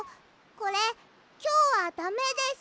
これきょうはダメです！